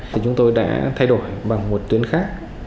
thì chúng tôi đã thay đổi bằng một tuyến khác